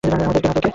আমাদেরকে না, তোকে!